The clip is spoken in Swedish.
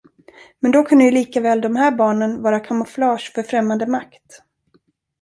Men då kunde ju likaväl de här barnen vara kamouflage för främmande makt.